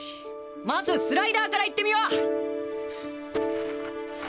まずスライダーからいってみよう。